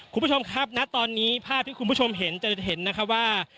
คุณผู้ชมครับณตอนนี้ภาพที่คุณผู้ชมเห็นจะเห็นนะคะว่า